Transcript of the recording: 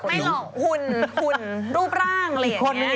ไม่หรอกขุนรูปร่างเลขเนี้ย